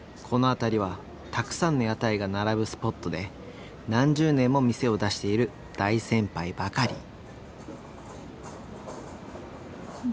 この辺りはたくさんの屋台が並ぶスポットで何十年も店を出している大先輩ばかり。